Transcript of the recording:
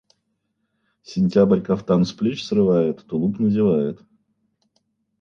Сентябрь кафтан с плеч срывает, тулуп надевает.